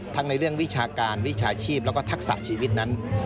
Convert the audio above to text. ในเรื่องวิชาการวิชาชีพแล้วก็ทักษะชีวิตนั้น